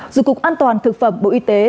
dù cục an toàn thực phẩm bộ y tế